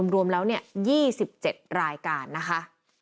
รวมแล้วเนี่ย๒๗รายการนะคะ